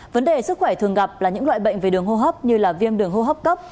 vấn đề sức khỏe thường gặp là những loại bệnh về đường hô hấp như viêm đường hô hấp cấp